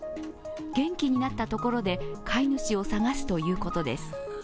元気になったところで飼い主を探すということです。